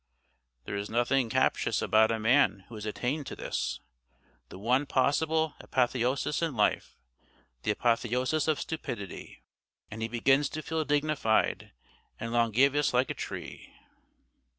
There is nothing captious about a man who has attained to this, the one possible apotheosis in life, the Apotheosis of Stupidity; and he begins to feel dignified and longævous like a tree.